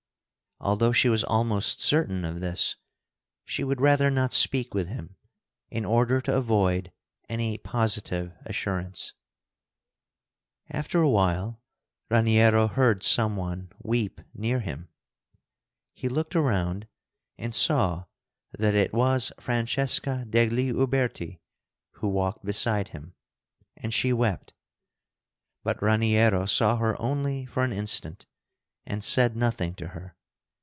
Although she was almost certain of this, she would rather not speak with him, in order to avoid any positive assurance. After a while Raniero heard some one weep near him. He looked around and saw that it was Francesca degli Uberti, who walked beside him; and she wept. But Raniero saw her only for an instant, and said nothing to her.